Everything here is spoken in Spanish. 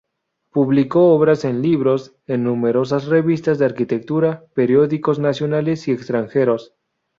Publicó obras en libros, en numerosas revistas de arquitectura, periódicos nacionales y extranjeros.